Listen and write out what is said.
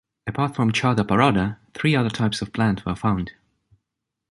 Apart from Chã da Parada, three other types of plant were found.